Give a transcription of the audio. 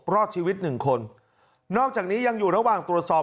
รอดชีวิตหนึ่งคนนอกจากนี้ยังอยู่ระหว่างตรวจสอบ